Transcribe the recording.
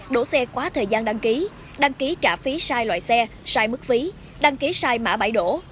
đỗ xe quá thời gian đăng ký đăng ký trả phí sai loại xe sai mức phí đăng ký sai mã đổ